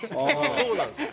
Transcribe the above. そうなんですよ。